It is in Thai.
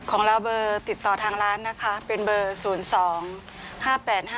ของเราเบอร์ติดต่อทางร้านนะคะเป็นเบอร์๐๒๕๘๕๔๐๑๑๐๒๙๑๑๐๕๖๓๔ค่ะ